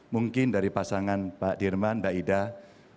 mungkin dari pasangan pak dirman mbak ida boleh nggak dalam tiga tahun terakhir